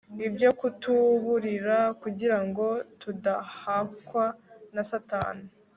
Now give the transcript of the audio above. ibyo kutuburira kugira ngo tudahakwa na Satani